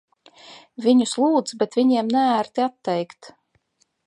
Viņus lūdz, bet viņiem neērti atteikt.